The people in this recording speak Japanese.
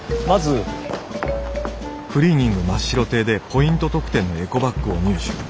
まずクリーニング真っ白亭でポイント特典のエコバッグを入手。